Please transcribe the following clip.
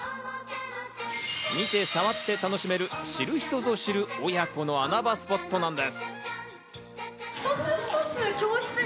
見て触って楽しめる、知る人ぞ知る、親子の穴場スポットなんです。